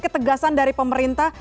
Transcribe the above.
ketegasan dari pemerintah